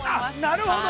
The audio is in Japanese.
◆なるほど！